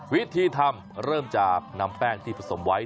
วิธีทำเริ่มจากนำแป้งที่ผสมไว้